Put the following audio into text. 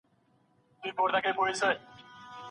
د خپلي ميرمني شخصيت ته زيان مه رسوئ.